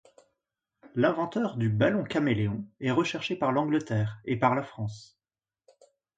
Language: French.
L’inventeur du ballon-caméléon est recherché par l’Angleterre et par la France.